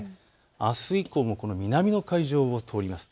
あす以降もこの南の海上を通ります。